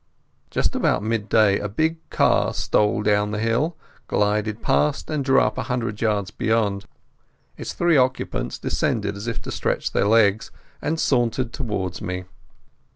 Just about midday a big car stole down the hill, glided past and drew up a hundred yards beyond. Its three occupants descended as if to stretch their legs, and sauntered towards me.